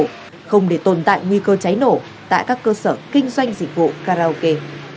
không để tồn tại nguy cơ cháy nổ tại các cơ sở kinh doanh dịch vụ karaoke